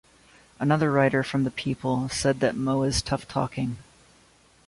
Another writer from "The People" said that Mo is "tough-talking".